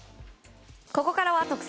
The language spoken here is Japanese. ここからは特選！